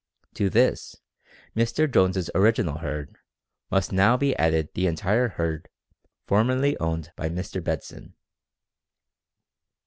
To this, Mr. Jones's original herd, must now be added the entire herd formerly owned by Mr. Bedson.